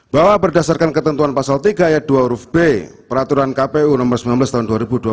bahwa berdasarkan ketentuan pasal tiga ayat dua huruf b peraturan kpu nomor sembilan belas tahun dua ribu dua puluh